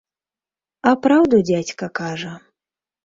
А праўду дзядзька кажа.